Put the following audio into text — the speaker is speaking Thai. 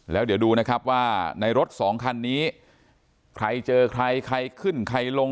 แล้วเดี๋ยวดูนะครับว่าในรถสองคันนี้ใครเจอใครใครขึ้นใครลง